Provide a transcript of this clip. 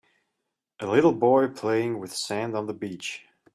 A little boy playing with sand on the beach.